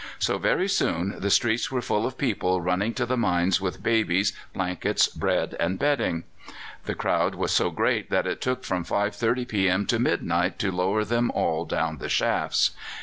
So very soon the streets were full of people running to the mines with babies, blankets, bread, and bedding. The crowd was so great that it took from 5.30 p.m. to midnight to lower them all down the shafts.